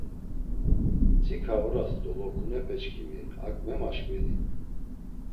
Mtsik̆a oras dolokunepe çkimi ak memaşkveni?